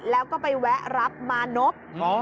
แล้วก็ไปแวะรับมานพ